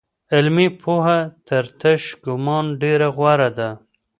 علمي پوهه تر تش ګومان ډېره غوره ده.